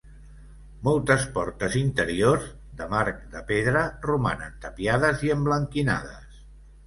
Moltes portes interiors, de marc de pedra, romanen tapiades i emblanquinades.